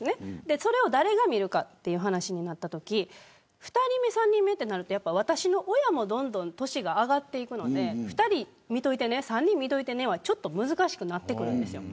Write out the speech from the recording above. それを誰が見るかとなったとき２人目、３人目となると私の親も年が上がっていくので２人見ておいて、３人見ておいては難しくなってくるんです。